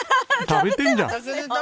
食べてるじゃん。